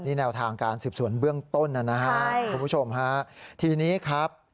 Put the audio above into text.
แนวทางการสืบสวนเบื้องต้นนะฮะคุณผู้ชมฮะทีนี้ครับ